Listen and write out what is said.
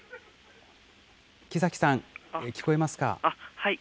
木崎さん、聞こえますか。